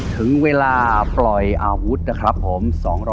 ถึงเวลาปล่อยอาวุธนะครับผม